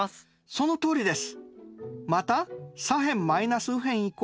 そのとおりです。